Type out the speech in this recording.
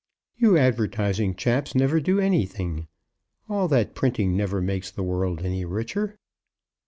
"You advertising chaps never do anything. All that printing never makes the world any richer."